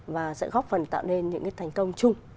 và sẽ góp phần tạo nên những cái thành công chung